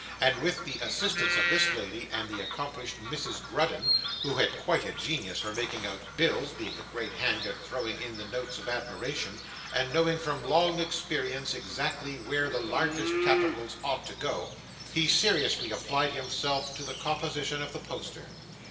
And with the assistance of this lady, and the accomplished Mrs. Grudden (who had quite a genius for making out bills, being a great hand at throwing in the notes of admiration, and knowing from long experience exactly where the largest capitals ought to go), he seriously applied himself to the composition of the poster.